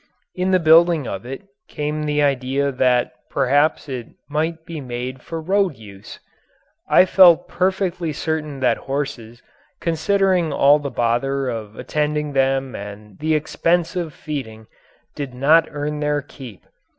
In the building of it came the idea that perhaps it might be made for road use. I felt perfectly certain that horses, considering all the bother of attending them and the expense of feeding, did not earn their keep.